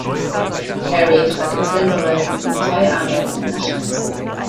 Carey trat im Filmbereich mit nur zwei Arbeiten in Erscheinung.